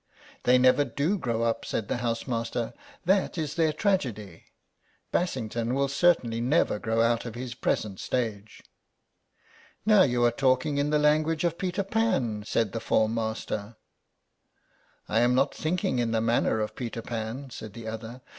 "They never do grow up," said the housemaster; "that is their tragedy. Bassington will certainly never grow out of his present stage." "Now you are talking in the language of Peter Pan," said the form master. "I am not thinking in the manner of Peter Pan," said the other.